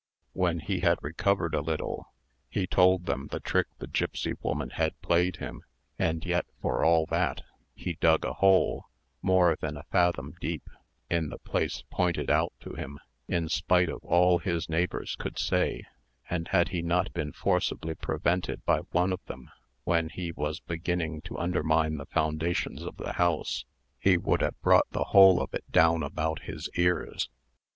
When he had recovered a little, he told them the trick the gipsy woman had played him; and yet for all that, he dug a hole, more than a fathom deep, in the place pointed out to him, in spite of all his neighbours could say; and had he not been forcibly prevented by one of them, when he was beginning to undermine the foundations of the house, he would have brought the whole of it down about his ears.